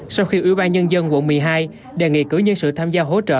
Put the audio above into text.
sau khi ủy ban nhân dân quận một mươi hai đề nghị cử nhân sự tham gia hỗ trợ